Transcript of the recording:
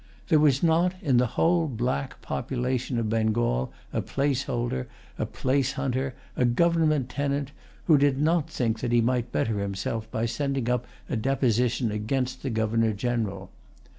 There was not in the whole black population of Bengal a place holder, a place hunter, a government tenant, who did not think that he might better himself by sending up a deposition against the Governor General.